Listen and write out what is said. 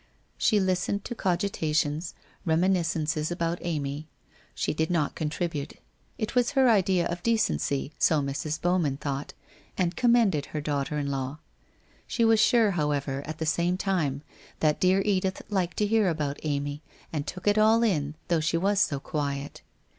She listened to cogita tions, reminiscences about Amy; she did not contribute. It was her idea of decency, so Mrs. Bowman thought, and commended her daughter in law. She was sure, however, at the same time, that dear Edith liked to hear about Amy, and took it all in, though she was so quiet.